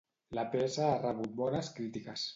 La peça ha rebut bones crítiques.